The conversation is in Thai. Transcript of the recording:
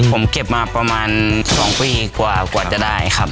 ผมเก็บมาประมาณ๒ปีกว่าจะได้ครับ